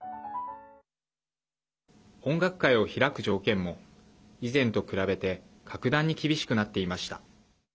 音楽会を開く条件も以前と比べて格段に厳しくなっていました。